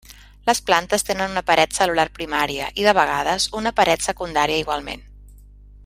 Les plantes tenen una paret cel·lular primària, i de vegades una paret secundària igualment.